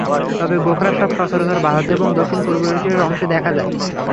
তবে গোখরা সাপ সচরাচর ভারত এবং দক্ষিণ-পূর্ব এশিয়ার অংশে দেখা যায়।